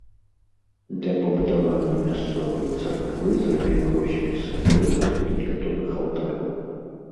Для пабудаванай мясцовай царквы зрабіў роспісы крыжа і некаторых алтароў.